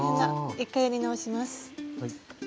一回やり直します。